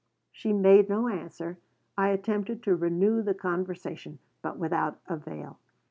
She made no answer. I attempted to renew the conversation, but without avail.